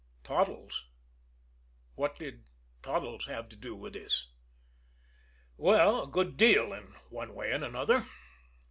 Toddles? What did Toddles have to do with this? Well, a good deal, in one way and another.